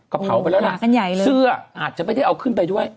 ก็เผาไปแล้วล่ะเสื้ออาจจะไม่ได้เอาขึ้นไปด้วย